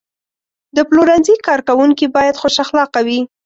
د پلورنځي کارکوونکي باید خوش اخلاقه وي.